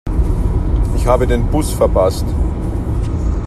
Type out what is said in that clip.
Ich habe den Bus verpasst.